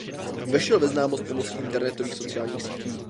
Vešel ve známost pomocí internetových sociálních sítí.